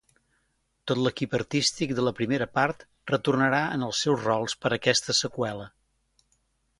Tot l'equip artístic de la primera part retornarà en els seus rols per aquesta seqüela.